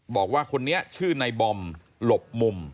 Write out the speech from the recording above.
บอกว่าคนนี้ชื่อในบอมหลบมุม